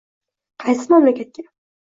Qaysi mamlakatga?